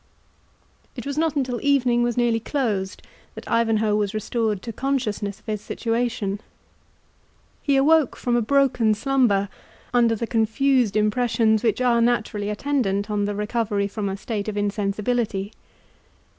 It was not until evening was nearly closed that Ivanhoe was restored to consciousness of his situation. He awoke from a broken slumber, under the confused impressions which are naturally attendant on the recovery from a state of insensibility.